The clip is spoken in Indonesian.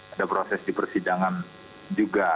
ada proses dipersidangan juga